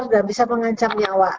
dan bisa mengancam nyawa